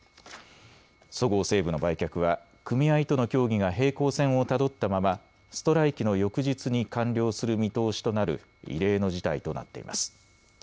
そごう・西武の売却は組合との協議が平行線をたどったままストライキの翌日に完了する見通しとなる異例の事態となっています。